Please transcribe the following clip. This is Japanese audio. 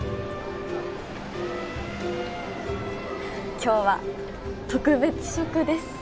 今日は特別食です